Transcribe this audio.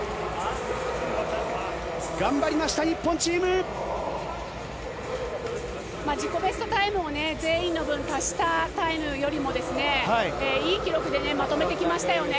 頑張りました、日本チーム！自己ベストタイムを全員の分足したタイムよりもいい記録でまとめてきましたよね。